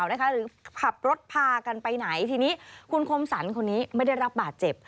หรือขับรถพากันไปไหนทีนี้คุณคมสรรคนนี้ไม่ได้รับบาดเจ็บ